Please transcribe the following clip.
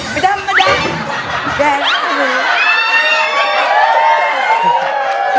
ไม่ได้ไม่ได้แกนะ